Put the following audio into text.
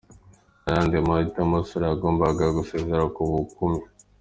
Nta yandi mahitamo, Sarah yagombaga gusezera ku bukumi .